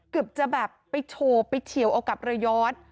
กึบจะแบบมีโชว์ไว้ไปเฉียวเรือยอด